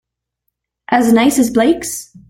As nice as Blake's?